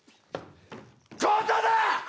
強盗だ！